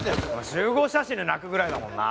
集合写真で泣くぐらいだもんな。